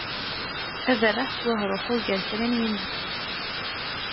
Aberreḥ s wahruḥu gar kra n yimezdaɣ